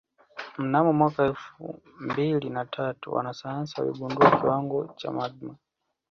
Mnamo mwaka elfu mbili na tatu wanasayansi waligundua kiwango cha magma